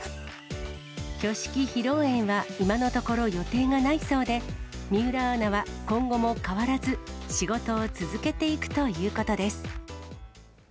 挙式・披露宴は、今のところ、予定がないそうで、水卜アナは今後も変わらず、仕事を続けていくということです。